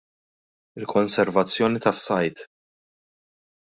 Il-Konservazzjoni tas-Sajd.